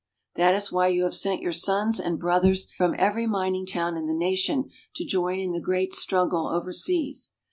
That is why you have sent your sons and brothers from every mining town in the nation to join in the great struggle overseas.